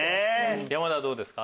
山田はどうですか？